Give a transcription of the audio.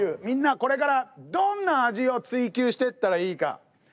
みんなこれからどんな味を追求してったらいいか。